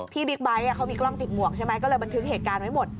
บิ๊กไบท์เขามีกล้องติดหมวกใช่ไหมก็เลยบันทึกเหตุการณ์ไว้หมด